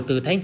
từ tháng chín